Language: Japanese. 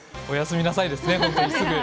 おやすみなさいですね。